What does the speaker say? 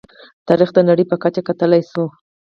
تاریخ د نړۍ په کچه کتلی شو.